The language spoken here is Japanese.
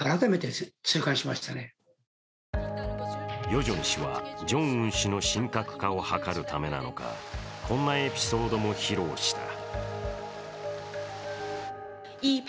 ヨジョン氏はジョンウン氏の神格化を図るためなのかこんなエピソードも披露した。